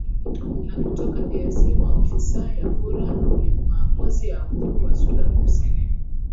na kutoka drc maofisa wa kura ya maamuzi ya uhuru wa sudan kusini